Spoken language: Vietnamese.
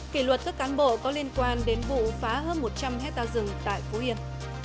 kỷ luật các cán bộ có liên quan đến vụ phá hơn một trăm linh hectare rừng tại phú yên